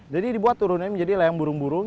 jadi dibuat turunannya menjadi layang burung burung